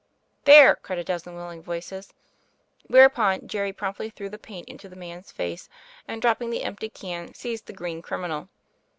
"There," cried a dozen willing voices. Whereupon Jerry promptly threw the paint into the man's face, and, dropping the empty can, seized the green criminal.